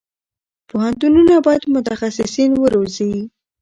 پوهنتونونه باید متخصصین وروزي.